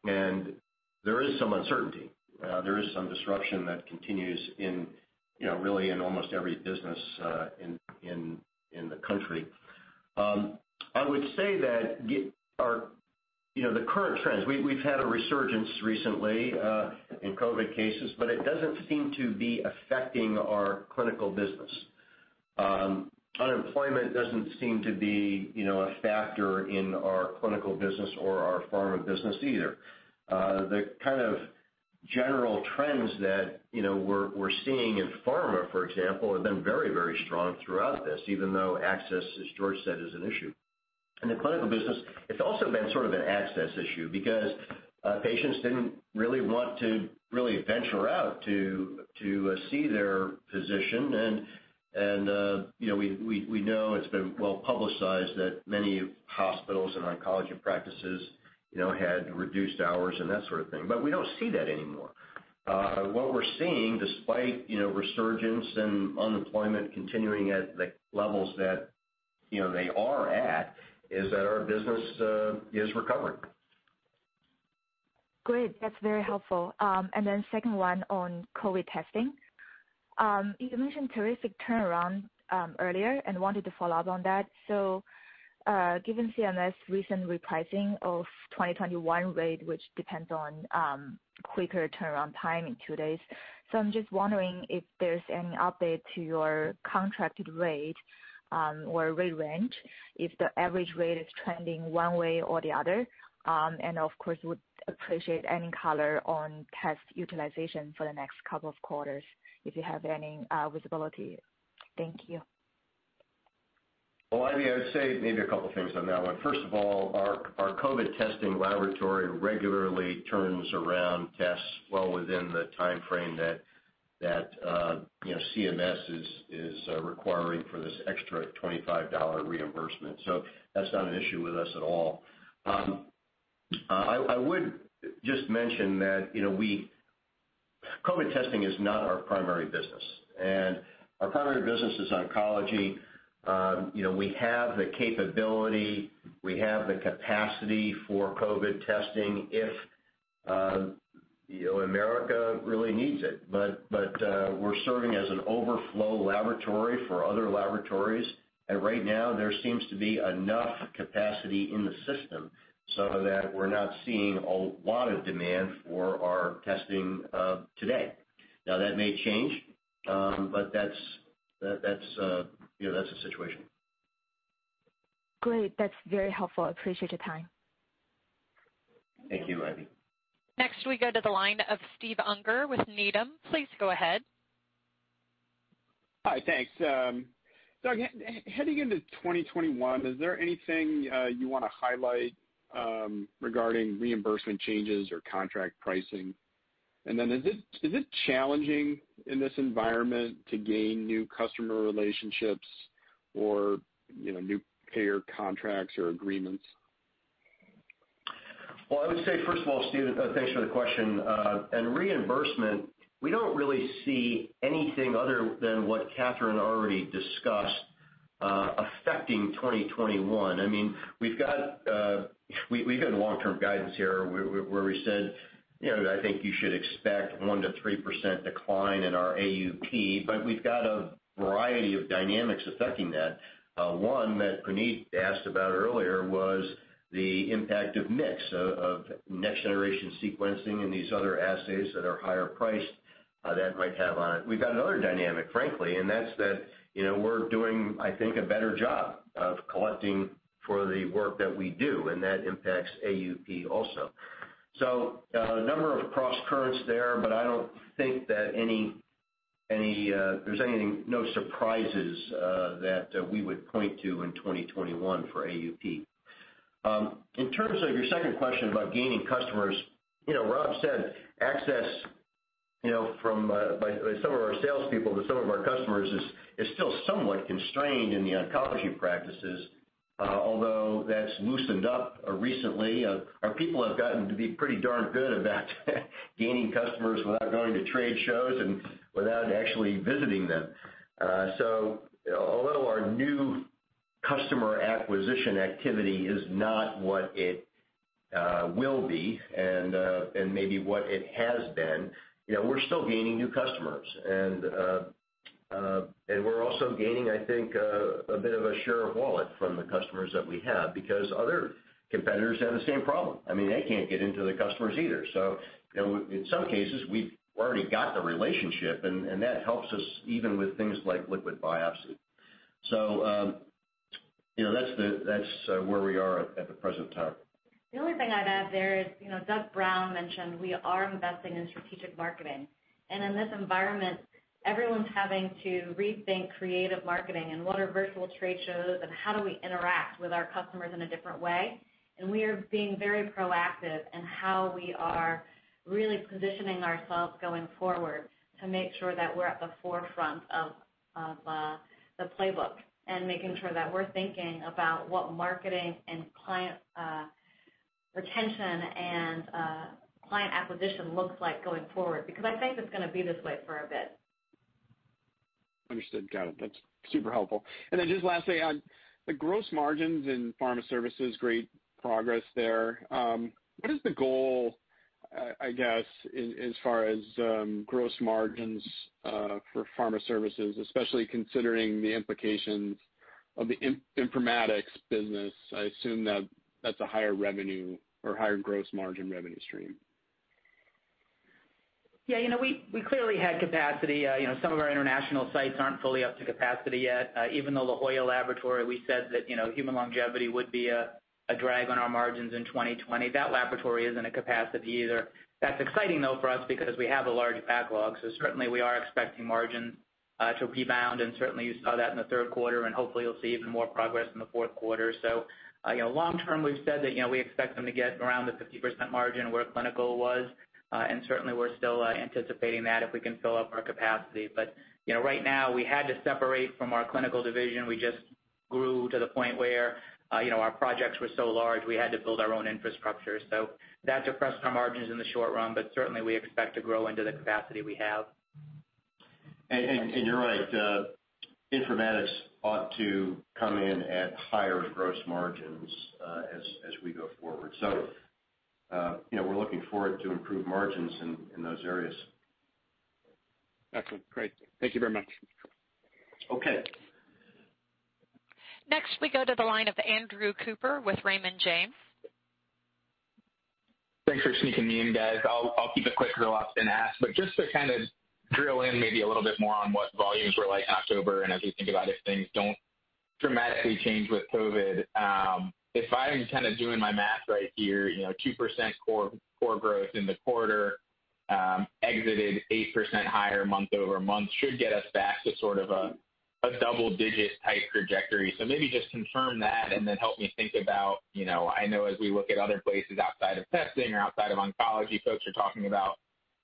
There is some uncertainty. There is some disruption that continues in really in almost every business in the country. I would say that the current trends, we've had a resurgence recently in COVID cases, but it doesn't seem to be affecting our clinical business. Unemployment doesn't seem to be a factor in our clinical business or our pharma business either. The kind of general trends that we're seeing in pharma, for example, have been very strong throughout this, even though access, as George said, is an issue. In the clinical business, it's also been sort of an access issue because patients didn't really want to really venture out to see their physician, and we know it's been well-publicized that many hospitals and oncology practices had reduced hours and that sort of thing. We don't see that anymore. What we're seeing, despite resurgence and unemployment continuing at the levels that they are at, is that our business is recovering. Great. That's very helpful. Second one on COVID-19 testing. You mentioned terrific turnaround earlier and wanted to follow up on that. Given CMS recent repricing of 2021 rate, which depends on quicker turnaround time in two days. I'm just wondering if there's any update to your contracted rate or rate range, if the average rate is trending one way or the other. Of course, would appreciate any color on test utilization for the next couple of quarters, if you have any visibility. Thank you. Well, Ivy, I'd say maybe a couple things on that one. First of all, our COVID testing laboratory regularly turns around tests well within the timeframe that CMS is requiring for this extra $25 reimbursement. So that's not an issue with us at all. I would just mention that COVID testing is not our primary business. Our primary business is oncology. We have the capability, we have the capacity for COVID testing if America really needs it. We're serving as an overflow laboratory for other laboratories, and right now, there seems to be enough capacity in the system so that we're not seeing a lot of demand for our testing today. Now, that may change, but that's the situation. Great. That's very helpful. Appreciate your time. Thank you, Ivy. Next, we go to the line of Steve Unger with Needham. Please go ahead. Hi, thanks. Doug, heading into 2021, is there anything you want to highlight regarding reimbursement changes or contract pricing? Is it challenging in this environment to gain new customer relationships or new payer contracts or agreements? Well, I would say, first of all, Steve, thanks for the question. In reimbursement, we don't really see anything other than what Kathryn already discussed affecting 2021. We've given long-term guidance here where we said, I think you should expect 1%-3% decline in our AUP, but we've got a variety of dynamics affecting that. One that Puneet asked about earlier was the impact of mix of next-generation sequencing and these other assays that are higher priced, that might have on it. We've got another dynamic, frankly, and that's that we're doing, I think, a better job of collecting for the work that we do, and that impacts AUP also. A number of cross currents there, but I don't think that there's no surprises that we would point to in 2021 for AUP. In terms of your second question about gaining customers, Rob said access by some of our salespeople to some of our customers is still somewhat constrained in the oncology practices. That's loosened up recently. Our people have gotten to be pretty darn good about gaining customers without going to trade shows and without actually visiting them. Although our new customer acquisition activity is not what it will be and maybe what it has been, we're still gaining new customers. We're also gaining, I think, a bit of a share of wallet from the customers that we have because other competitors have the same problem. They can't get into the customers either. In some cases, we've already got the relationship, and that helps us even with things like liquid biopsy. That's where we are at the present time. The only thing I'd add there is, Doug Brown mentioned we are investing in strategic marketing. In this environment, everyone's having to rethink creative marketing and what are virtual trade shows and how do we interact with our customers in a different way. We are being very proactive in how we are really positioning ourselves going forward to make sure that we're at the forefront of the playbook and making sure that we're thinking about what marketing and client retention and client acquisition looks like going forward, because I think it's going to be this way for a bit. Understood. Got it. That's super helpful. Then just lastly, on the gross margins in Pharma Services, great progress there. What is the goal, I guess, as far as gross margins for Pharma Services, especially considering the implications of the informatics business? I assume that's a higher revenue or higher gross margin revenue stream. Yeah, we clearly had capacity. Some of our international sites aren't fully up to capacity yet. Even the La Jolla laboratory, we said that Human Longevity would be a drag on our margins in 2020. That laboratory isn't at capacity either. That's exciting though for us because we have a large backlog. Certainly we are expecting margin to rebound, and certainly you saw that in the third quarter, and hopefully you'll see even more progress in the fourth quarter. Long-term, we've said that we expect them to get around the 50% margin where clinical was. Certainly we're still anticipating that if we can fill up our capacity. Right now, we had to separate from our Clinical division. We just grew to the point where our projects were so large we had to build our own infrastructure. That depressed our margins in the short run, but certainly we expect to grow into the capacity we have. You're right. Informatics ought to come in at higher gross margins as we go forward. We're looking forward to improved margins in those areas. Excellent. Great. Thank you very much. Okay. Next, we go to the line of Andrew Cooper with Raymond James. Thanks for sneaking me in, guys. I'll keep it quick because I have a lot to ask. Just to kind of drill in maybe a little bit more on what volumes were like in October, and as we think about if things don't dramatically change with COVID. If I'm doing my math right here, 2% core growth in the quarter exited 8% higher month-over-month should get us back to sort of a double-digit type trajectory. Maybe just confirm that and then help me think about, I know as we look at other places outside of testing or outside of oncology, folks are talking about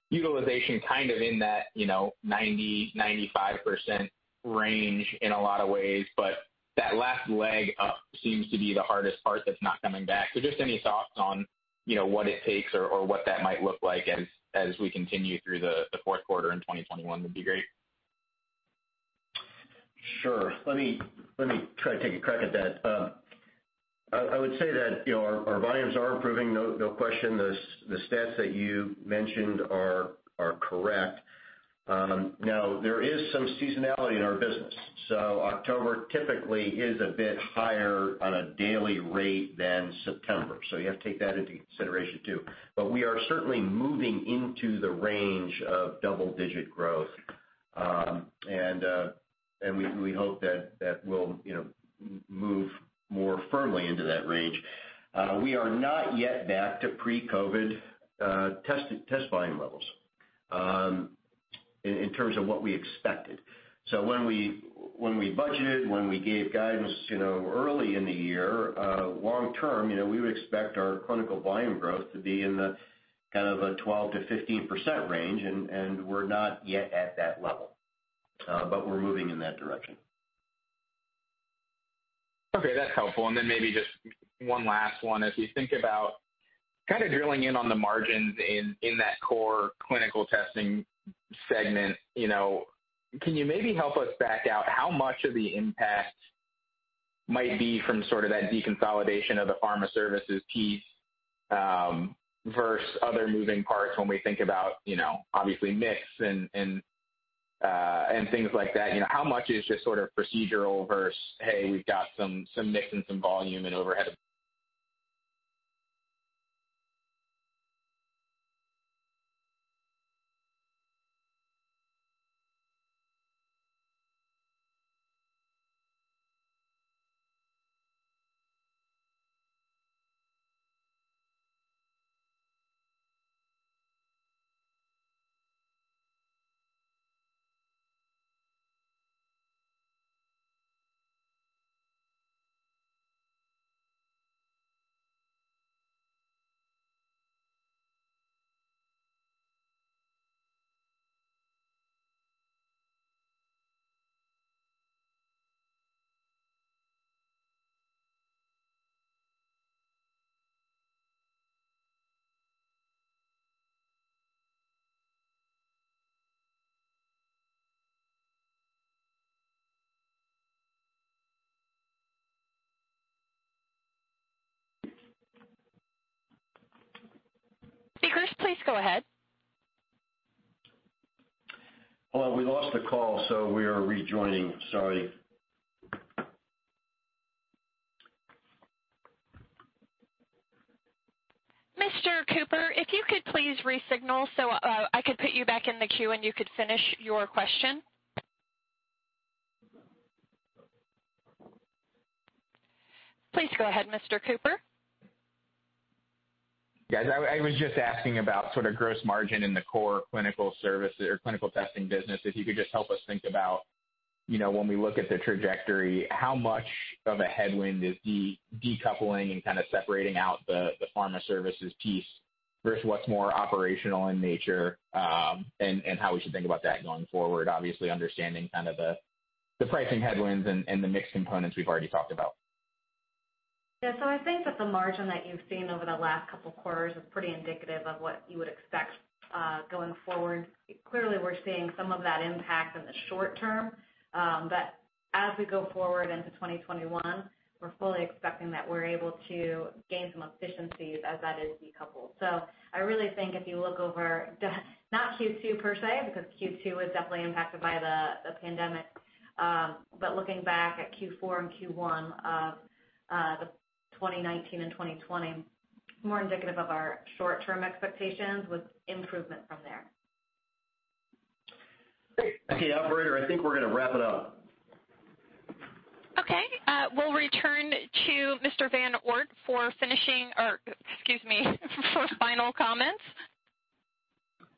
utilization in that 90%-95% range in a lot of ways. That last leg up seems to be the hardest part that's not coming back. Just any thoughts on what it takes or what that might look like as we continue through the fourth quarter and 2021 would be great. Sure. Let me try to take a crack at that. I would say that our volumes are improving, no question. The stats that you mentioned are correct. There is some seasonality in our business. October typically is a bit higher on a daily rate than September. You have to take that into consideration, too. We are certainly moving into the range of double-digit growth. We hope that we'll move more firmly into that range. We are not yet back to pre-COVID test volume levels in terms of what we expected. When we budgeted, when we gave guidance early in the year, long-term, we would expect our clinical volume growth to be in the 12%-15% range, and we're not yet at that level. We're moving in that direction. Okay, that's helpful. Maybe just one last one. As we think about kind of drilling in on the margins in that core clinical testing segment, can you maybe help us back out how much of the impact might be from sort of that deconsolidation of the Pharma Services piece versus other moving parts when we think about obviously mix and things like that? How much is just sort of procedural versus, hey, we've got some mix and some volume and overhead? Speakers, please go ahead. Hold on, we lost the call, so we are rejoining. Sorry. Mr. Cooper, if you could please re-signal so I could put you back in the queue, and you could finish your question. Please go ahead, Mr. Cooper. Yes, I was just asking about sort of gross margin in the core Clinical Services or clinical testing business. If you could just help us think about when we look at the trajectory, how much of a headwind is decoupling and kind of separating out the Pharma Services piece versus what's more operational in nature and how we should think about that going forward. Obviously, understanding kind of the pricing headwinds and the mix components we've already talked about? I think that the margin that you've seen over the last couple of quarters is pretty indicative of what you would expect going forward. Clearly, we're seeing some of that impact in the short term. As we go forward into 2021, we're fully expecting that we're able to gain some efficiencies as that is decoupled. I really think if you look over, not Q2 per se, because Q2 was definitely impacted by the pandemic, looking back at Q4 and Q1 of 2019 and 2020, more indicative of our short-term expectations with improvement from there. Okay. Operator, I think we're going to wrap it up. Okay. We'll return to Mr. VanOort for final comments.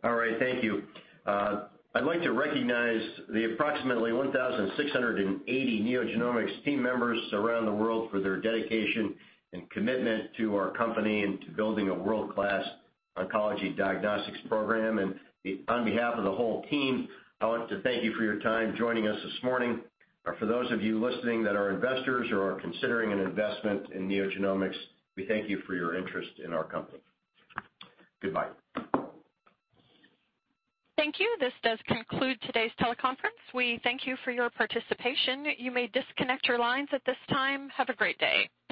All right, thank you. I'd like to recognize the approximately 1,680 NeoGenomics team members around the world for their dedication and commitment to our company and to building a world-class oncology diagnostics program. On behalf of the whole team, I want to thank you for your time joining us this morning. For those of you listening that are investors or are considering an investment in NeoGenomics, we thank you for your interest in our company. Goodbye. Thank you. This does conclude today's teleconference. We thank you for your participation. You may disconnect your lines at this time. Have a great day.